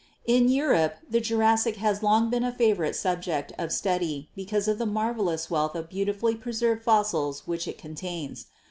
In Europe the Jurassic has long been a favor ite subject of study, because of the marvelous wealth of beautifully preserved fossils which it contains.